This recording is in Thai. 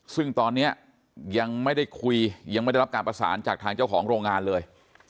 ซึ่งตอนนี้ยังไม่ได้คุยยังไม่ได้รับการประสานจากทางเจ้าของโรงงานเลย